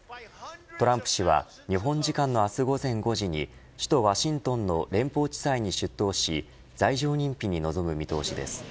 トランプ氏は日本時間の明日午前５時に首都ワシントンの連邦地裁に出頭し罪状認否に臨む見通しです。